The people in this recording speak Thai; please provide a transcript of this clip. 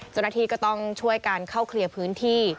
เจ้าหน้าที่ก็ต้องช่วยการเข้าเคลียร์พื้นที่